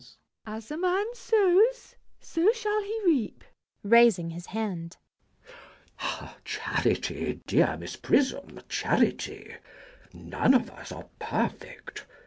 As a man sows, so shall he reap. CHASUBLE. [Raising his hand.] Charity, dear Miss Prism, charity! None of us are perfect.